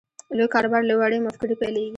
لوی کاروبار له وړې مفکورې پیلېږي